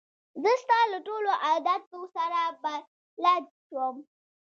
زه ستا له ټولو عادتو سره بلده شوم.